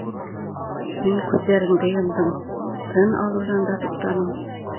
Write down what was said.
Һин күҙҙәреңде йомдоң, тын алыуҙан да туҡтаның.